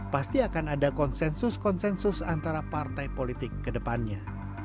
pasti akan ada konsensus konsensus antara partai politik ke depannya